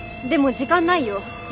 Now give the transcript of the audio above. でも時間ないよ？